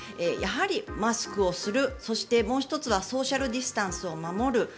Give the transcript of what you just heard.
やはりマスクをするそしてもう１つはソーシャル・ディスタンスを守る。